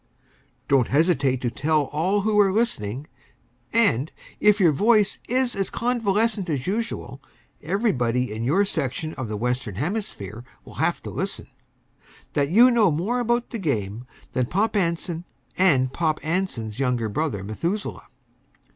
Don't hesitate to tell all who are listening and, if your voice is as convalescent as usual, everybody in your section of the Western Hemisphere will have to listen that you know more about the game than Pop Anson and Pop Anson's younger brother, Methuselah.